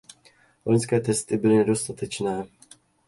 Loňské testy byly nedostatečné.